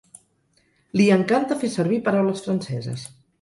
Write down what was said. Li encanta fer servir paraules franceses.